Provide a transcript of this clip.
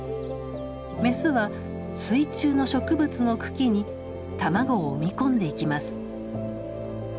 メスは水中の植物の茎に卵を産みこんでいきます。